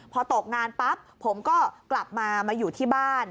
พอตกงานปั๊บผมก็กลับมามาอยู่ที่บ้าน